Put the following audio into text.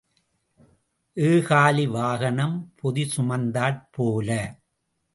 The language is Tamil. ஏகாலி வாகனம் பொதி சுமந்தாற் போல.